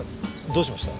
どうしました？